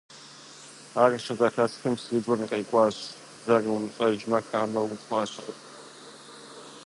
Ар щызэхэсхым, си гур къекӀуащ, бзэр умыщӀэжмэ, хамэ ухъуащ.